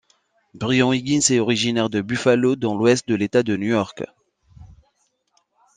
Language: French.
Brian Higgins est originaire de Buffalo dans l'ouest de l'État de New York.